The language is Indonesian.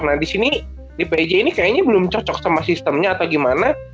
nah di sini di pj ini kayaknya belum cocok sama sistemnya atau gimana